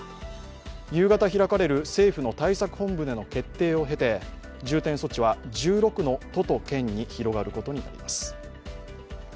夕方開かれる政府の対策本部での決定をへて重点措置は１６の都県に広がることになります。